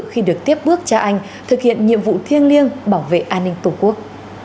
khi được tiếp bước cha anh thực hiện nhiệm vụ thiêng liêng bảo vệ an ninh tổ quốc